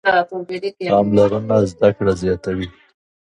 پاملرنه زده کړه زیاتوي.